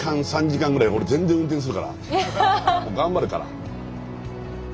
もう頑張るから。